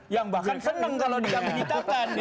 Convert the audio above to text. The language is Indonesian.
yang bahkan seneng kalau dikambing hitamkan